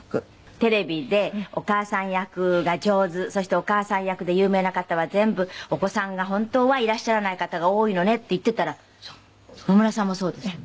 テレビでお母さん役が上手そしてお母さん役で有名な方は全部お子さんが本当はいらっしゃらない方が多いのねって言ってたら野村さんもそうですね。